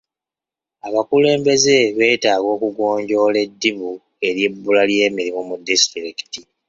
Abakulembeze betaaga okugonjoola eddibu ery'ebbula lyemirimu mu disitulikiti .